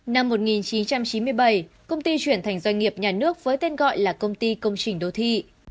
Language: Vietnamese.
năm một nghìn chín trăm chín mươi bảy công ty chuyển thành doanh nghiệp nhà nước với tên gọi là công ty công trình đô thị